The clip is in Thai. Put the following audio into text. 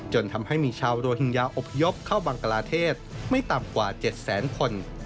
จนทำให้มีชาวโรฮิงญาอบพยพเข้าบังกลาเทศไม่ต่ำกว่า๗แสนคน